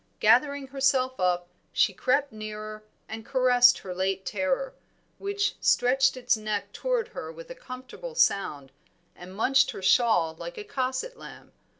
Gathering herself up she crept nearer and caressed her late terror, which stretched its neck toward her with a comfortable sound, and munched her shawl like a cosset lamb.